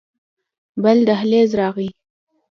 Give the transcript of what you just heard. بل دهليز راغى.